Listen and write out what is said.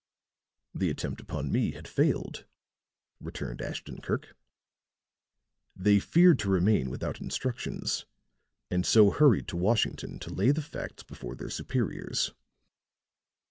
"The attempt upon me had failed," returned Ashton Kirk. "They feared to remain without instructions, and so hurried to Washington to lay the facts before their superiors.